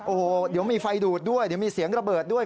โอ้โหเดี๋ยวมีไฟดูดด้วยเดี๋ยวมีเสียงระเบิดด้วย